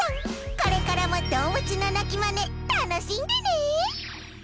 これからもどうぶつのなきマネたのしんでね！